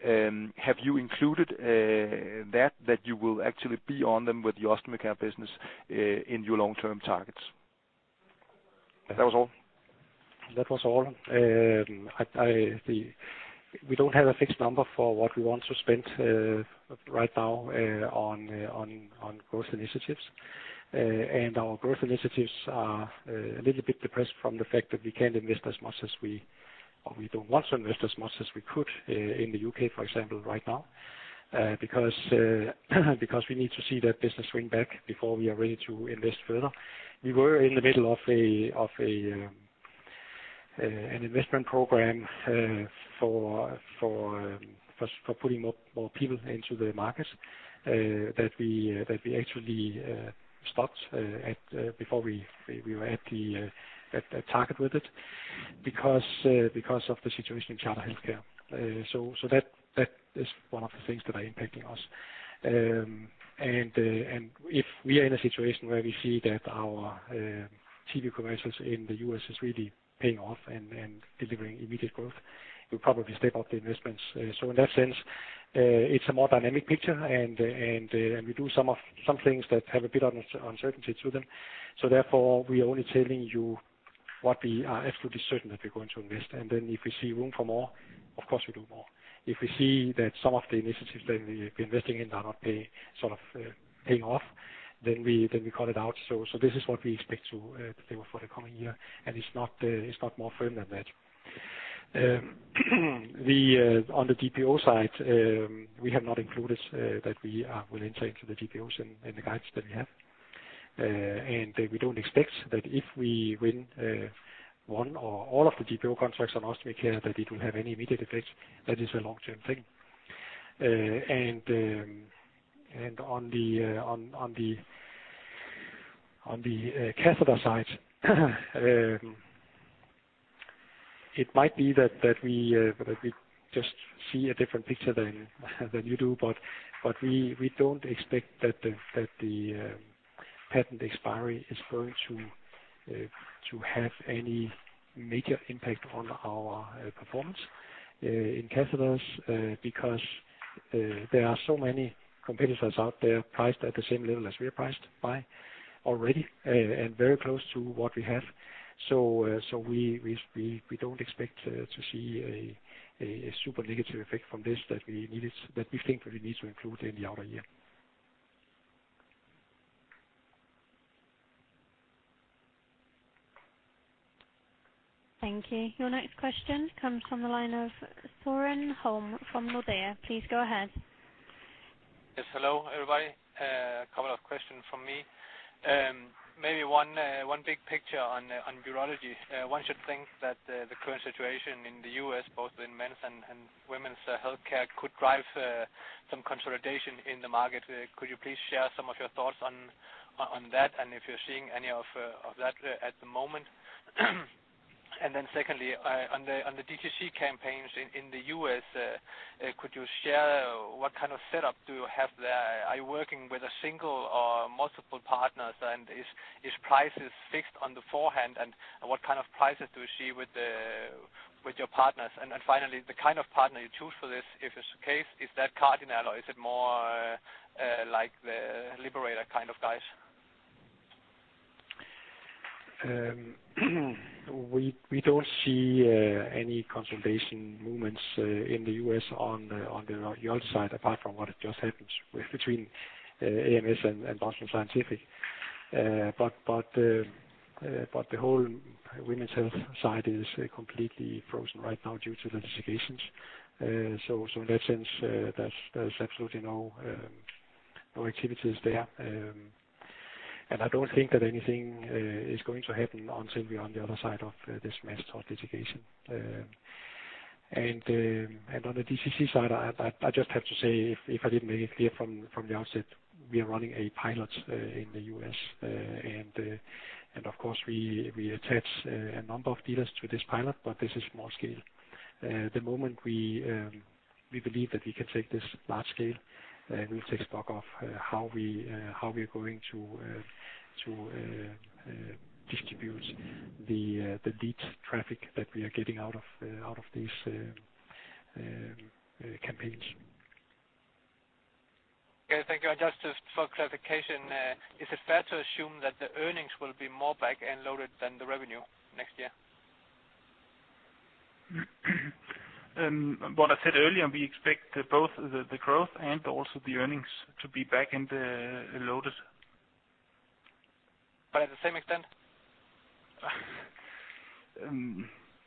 Have you included, that you will actually be on them with the customer care business, in your long-term targets? That was all? That was all. I, we don't have a fixed number for what we want to spend right now on growth initiatives. Our growth initiatives are a little bit depressed from the fact that we can't invest as much as we, or we don't want to invest as much as we could in the U.K., for example, right now. We need to see that business swing back before we are ready to invest further. We were in the middle of an investment program for putting more people into the markets that we actually stopped before we were at the target with it, because of the situation in Charter Healthcare. That is one of the things that are impacting us. If we are in a situation where we see that our TV commercials in the U.S. is really paying off and delivering immediate growth, we'll probably step up the investments. In that sense, it's a more dynamic picture, and we do some things that have a bit of uncertainty to them. Therefore, we are only telling you what we are absolutely certain that we're going to invest. If we see room for more, of course we do more. If we see that some of the initiatives that we've been investing in are not paying, sort of, paying off, then we cut it out. This is what we expect to do for the coming year, and it's not more firm than that. We, on the GPO side, we have not included that we will enter into the GPOs in the guides that we have. We don't expect that if we win one or all of the GPO contracts on ostomy care, that it will have any immediate effect. That is a long-term thing. On the catheter side, it might be that we just see a different picture than you do, but we don't expect that the patent expiry is going to have any major impact on our performance in catheters. Because there are so many competitors out there priced at the same level as we are priced by already, and very close to what we have. We don't expect to see a super negative effect from this that we needed, that we think we need to include in the outer year. Thank you. Your next question comes from the line of Søren Holm from Nordea. Please go ahead. Yes, hello, everybody. A couple of questions from me. Maybe one big picture on urology. One should think that the current situation in the U.S., both in men's and women's healthcare, could drive some consolidation in the market. Could you please share some of your thoughts on that, and if you're seeing any of that at the moment? Secondly, on the DTC campaigns in the U.S., could you share what kind of setup do you have there? Are you working with a single or multiple partners, and is prices fixed on the beforehand, and what kind of prices do you see with your partners? Finally, the kind of partner you choose for this, if it's the case, is that Cardinal, or is it more, like the Liberator kind of guys? We don't see any consolidation movements in the U.S. on the urology side, apart from what just happened with between AMS and Boston Scientific. The whole women's health side is completely frozen right now due to the mesh litigation. In that sense, there's absolutely no activities there. On the DTC side, I just have to say, if I didn't make it clear from the outset, we are running a pilot in the U.S. Of course, we attach a number of dealers to this pilot, but this is small scale. The moment we believe that we can take this large scale, we'll take stock of how we're going to distribute the lead traffic that we are getting out of these campaigns. Okay, thank you. Just for clarification, is it fair to assume that the earnings will be more back-end loaded than the revenue next year? What I said earlier, we expect both the growth and also the earnings to be back-end loaded. At the same extent?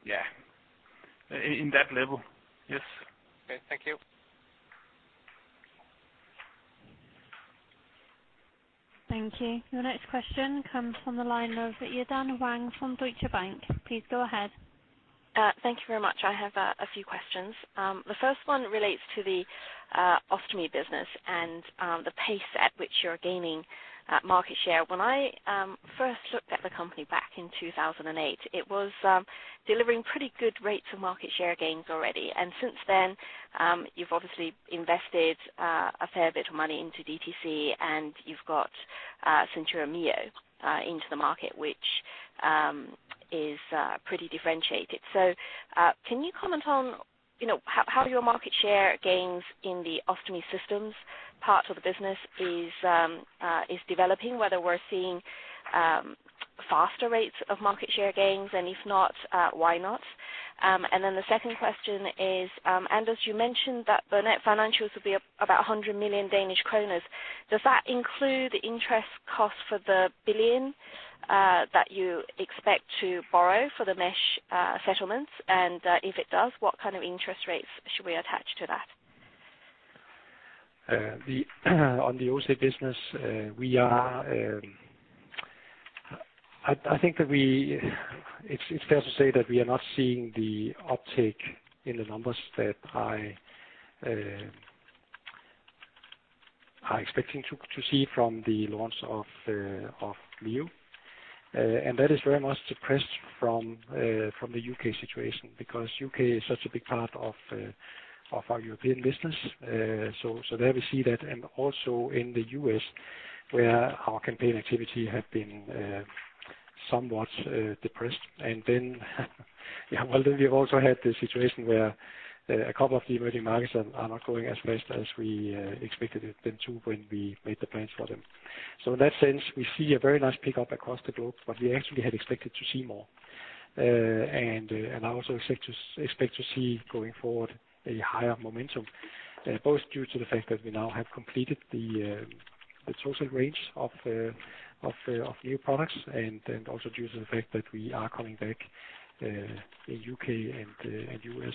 Yeah. In that level, yes. Okay, thank you. Thank you. Your next question comes from the line of Yi-Dan Wang from Deutsche Bank. Please go ahead. Thank you very much. I have a few questions. The first one relates to the ostomy business and the pace at which you're gaining market share. When I first looked at the company back in 2008, it was delivering pretty good rates of market share gains already. Since then, you've obviously invested a fair bit of money into DTC, and you've got SenSura Mio into the market, which is pretty differentiated. Can you comment on, you know, how your market share gains in the ostomy systems parts of the business is developing, whether we're seeing faster rates of market share gains, and if not, why not? The second question is, Anders, you mentioned that the net financials will be about 100 million Danish kroner. Does that include the interest cost for the 1 billion that you expect to borrow for the mesh settlements? If it does, what kind of interest rates should we attach to that? The, on the OC business, we are, I think that it's fair to say that we are not seeing the uptick in the numbers that I expecting to see from the launch of Mio. That is very much suppressed from the U.K. situation, because U.K. is such a big part of our European business. So there we see that, and also in the U.S., where our campaign activity have been somewhat depressed. Then, yeah, well, then we've also had the situation where a couple of the emerging markets are not growing as fast as we expected them to when we made the plans for them. In that sense, we see a very nice pickup across the globe, but we actually had expected to see more. I also expect to see, going forward, a higher momentum, both due to the fact that we now have completed the total range of the new products, and also due to the fact that we are coming back in U.K. and U.S..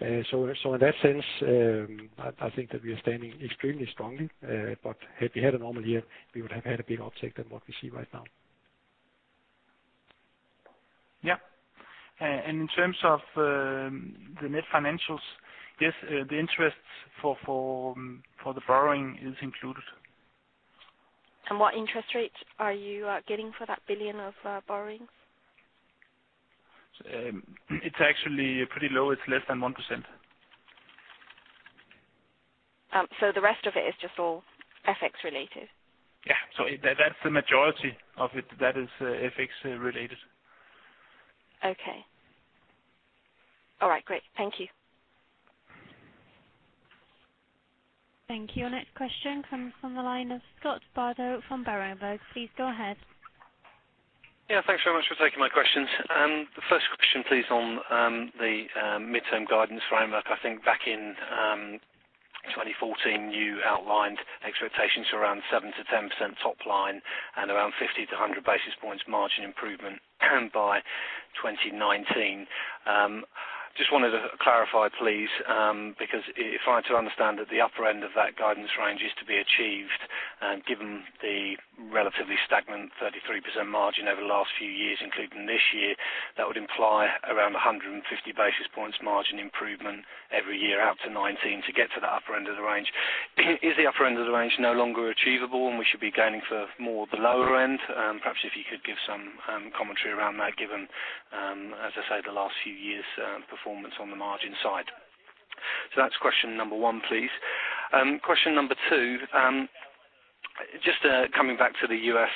In that sense, I think that we are standing extremely strongly, but had we had a normal year, we would have had a big uptick than what we see right now. Yeah. In terms of the net financials, yes, the interest for the borrowing is included. What interest rates are you getting for that 1 billion of borrowings? It's actually pretty low. It's less than 1%. The rest of it is just all FX related? Yeah. That's the majority of it. That is FX related. Okay. All right, great. Thank you. Thank you. Our next question comes from the line of Scott Bardo from Berenberg. Please go ahead. Thanks very much for taking my questions. The first question, please, on the midterm guidance framework. I think back in 2014, you outlined expectations around 7%-10% top line and around 50-100 basis points margin improvement, by 2019. Just wanted to clarify, please, because if I am to understand that the upper end of that guidance range is to be achieved, and given the relatively stagnant 33% margin over the last few years, including this year, that would imply around 150 basis points margin improvement every year out to 2019 to get to the upper end of the range. Is the upper end of the range no longer achievable, and we should be going for more the lower end? Perhaps if you could give some commentary around that, given as I say, the last few years' performance on the margin side. That's question number one, please. Question number two, just coming back to the U.S.,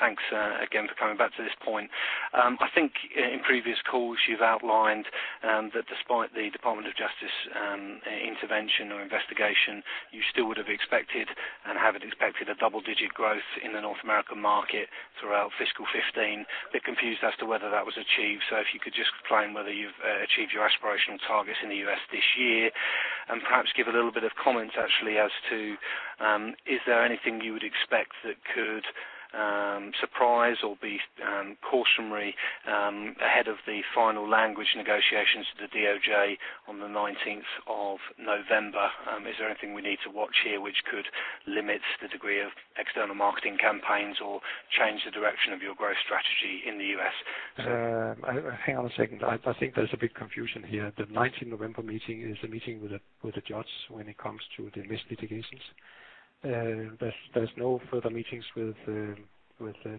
thanks again for coming back to this point. I think in previous calls you've outlined that despite the Department of Justice intervention or investigation, you still would have expected and have expected a double-digit growth in the North American market throughout fiscal 2015. Bit confused as to whether that was achieved, so if you could just explain whether you've achieved your aspirational targets in the U.S. this year, and perhaps give a little bit of comment, actually, as to, is there anything you would expect that could surprise or be cautionary ahead of the final language negotiations with the DOJ on the 19th of November? Is there anything we need to watch here which could limit the degree of external marketing campaigns or change the direction of your growth strategy in the U.S.? Hang on a second. I think there's a bit confusion here. The 19th November meeting is a meeting with the judge when it comes to the mesh litigation. There's no further meetings with the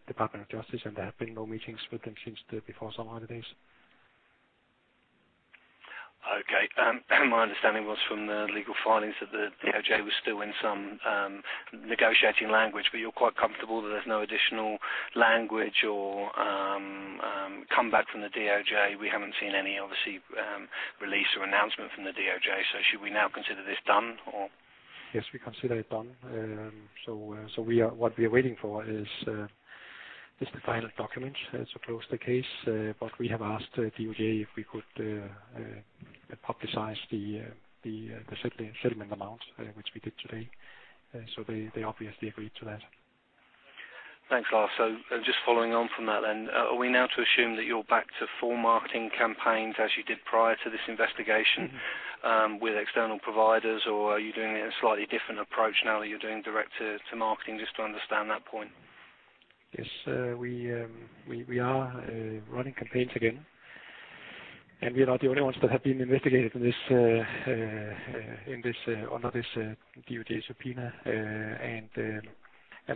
Department of Justice, and there have been no meetings with them since before the summer holidays. My understanding was from the legal filings that the DOJ was still in some negotiating language. You're quite comfortable that there's no additional language or comeback from the DOJ? We haven't seen any, obviously, release or announcement from the DOJ. Should we now consider this done, or? Yes, we consider it done. What we are waiting for is just the final document to close the case. We have asked the DOJ if we could publicize the settlement amount which we did today. They obviously agreed to that. Thanks, Lars. Just following on from that, are we now to assume that you're back to full marketing campaigns as you did prior to this investigation? Mm-hmm. With external providers, or are you doing it a slightly different approach now that you're doing direct to marketing? Just to understand that point. Yes, we are running campaigns again, and we are not the only ones that have been investigated in this, under this DOJ subpoena.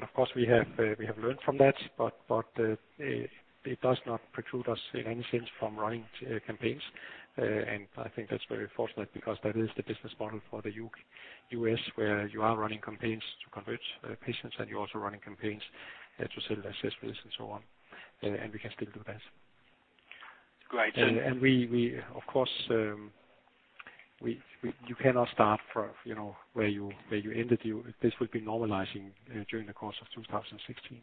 Of course we have learned from that, but it does not preclude us in any sense from running campaigns. I think that's very fortunate because that is the business model for the U.K., U.S., where you are running campaigns to convert patients, and you're also running campaigns to sell accessories and so on, and we can still do that. Great. We of course, you cannot start from, you know, where you ended you. This will be normalizing during the course of 2016.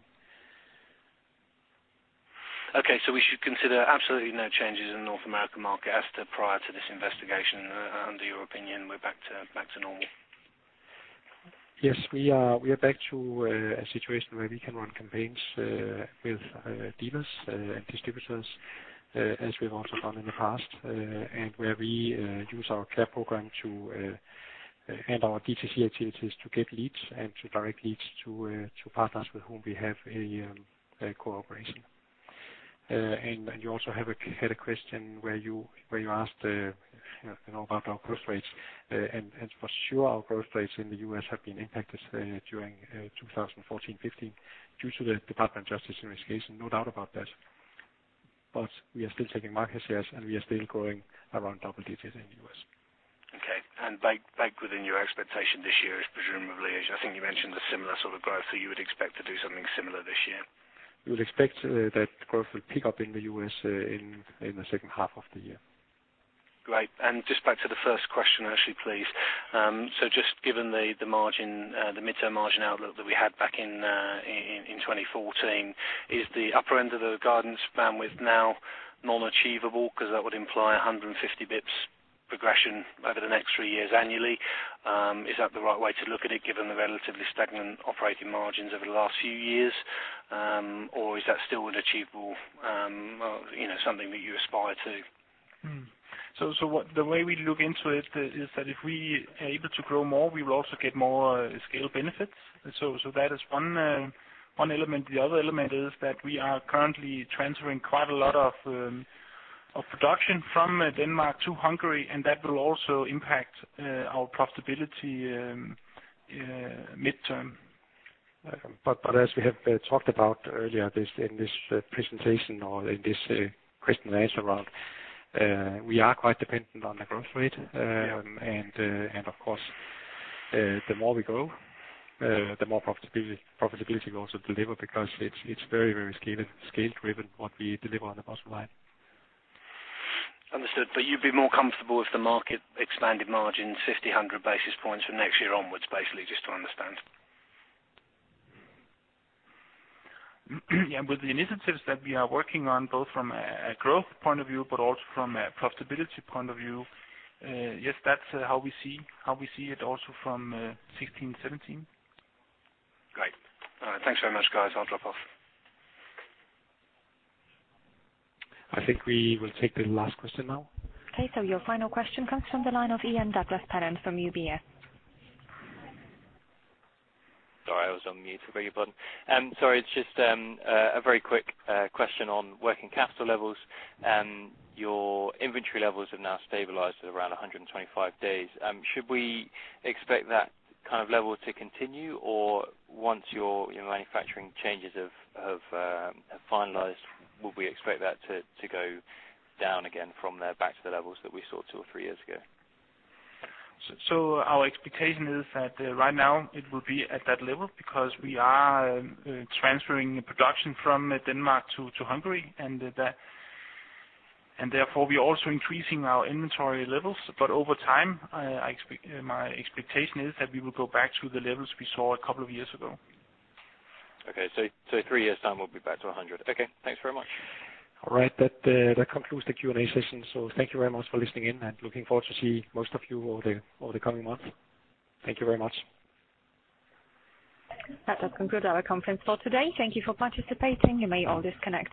Okay, we should consider absolutely no changes in the North American market as to prior to this investigation, under your opinion, we're back to normal? Yes, we are. We are back to a situation where we can run campaigns with dealers and distributors as we've also done in the past. Where we use our care program to and our DTC activities to get leads and to direct leads to partners with whom we have a cooperation. You also had a question where you, where you asked, you know, about our growth rates. For sure, our growth rates in the U.S. have been impacted during 2014, 2015, due to the Department of Justice investigation. No doubt about that. We are still taking market shares, and we are still growing around double digits in the U.S. Okay. back within your expectation this year is presumably, as I think you mentioned, a similar sort of growth, so you would expect to do something similar this year? We would expect that growth will pick up in the U.S., in the second half of the year. Great. Just back to the first question, actually, please. Just given the margin, the midterm margin outlook that we had back in 2014, is the upper end of the guidance bandwidth now non-achievable? That would imply 150 basis points progression over the next three years annually. Is that the right way to look at it, given the relatively stagnant operating margins over the last few years, or is that still an achievable, you know, something that you aspire to? The way we look into it is that if we are able to grow more, we will also get more scale benefits. That is one element. The other element is that we are currently transferring quite a lot of production from Denmark to Hungary, that will also impact our profitability midterm. As we have talked about earlier, this, in this presentation or in this question and answer round, we are quite dependent on the growth rate. And and of course, the more we grow, the more profitability we also deliver because it's very scaled, scale driven, what we deliver on the bottom line. Understood. You'd be more comfortable if the market expanded margins 50, 100 basis points from next year onwards, basically, just to understand? With the initiatives that we are working on, both from a growth point of view, but also from a profitability point of view, yes, that's how we see it also from 2016, 2017. Great. Thanks very much, guys. I'll drop off. I think we will take the last question now. Okay, your final question comes from the line of Ian Douglas-Pennant from UBS. Sorry, I was on mute. Very important. Sorry, it's just a very quick question on working capital levels. Your inventory levels have now stabilized at around 125 days. Should we expect that kind of level to continue? Once your manufacturing changes have finalized, would we expect that to go down again from there back to the levels that we saw two or three years ago? Our expectation is that, right now it will be at that level because we are transferring production from Denmark to Hungary, and therefore we are also increasing our inventory levels. Over time, my expectation is that we will go back to the levels we saw a couple of years ago. Okay. Three years' time, we'll be back to 100. Okay, thanks very much. All right, that concludes the Q&A session. Thank you very much for listening in, and looking forward to see most of you over the coming months. Thank you very much. That does conclude our conference call today. Thank you for participating. You may all disconnect.